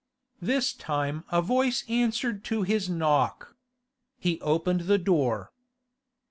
This time a voice answered to his knock. He opened the door.